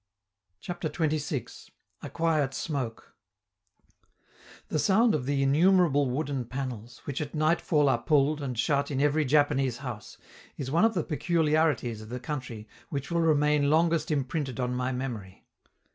CHAPTER XXVI. A QUIET SMOKE The sound of the innumerable wooden panels, which at nightfall are pulled and shut in every Japanese house, is one of the peculiarities of the country which will remain longest imprinted on my memory.